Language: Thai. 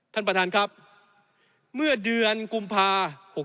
ท่านประธานครับเมื่อเดือนกุมภา๖๖